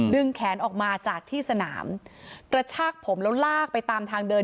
แขนออกมาจากที่สนามกระชากผมแล้วลากไปตามทางเดิน